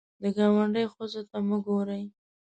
د ګاونډي ښځو ته مه ګورې